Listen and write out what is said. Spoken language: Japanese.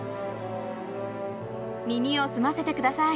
耳を澄ませてください！